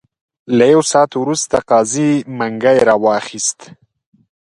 له یو ساعت وروسته قاضي منګی را واخیست.